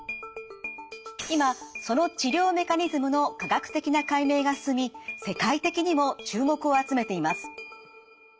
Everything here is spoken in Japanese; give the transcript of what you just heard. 今その治療メカニズムの科学的な解明が進み世界的にも注目を集めています。